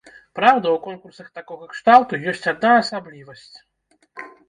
Праўда, у конкурсах такога кшталту ёсць адна асаблівасць.